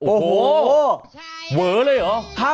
โอ้โหเวอเลยเหรอ